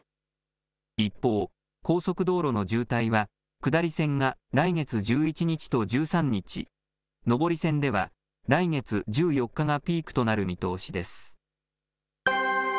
一方、高速道路の渋滞は、下り線が来月１１日と１３日、上り線では来月１４日がピークとなる見通しです。